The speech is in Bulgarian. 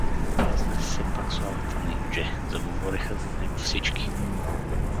Разнесе се пак славата на Индже, заговориха за него всички.